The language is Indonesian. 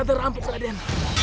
ada rampak raden